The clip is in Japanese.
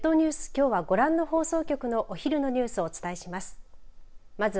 きょうはご覧の放送局のお昼のニュースをお伝えします。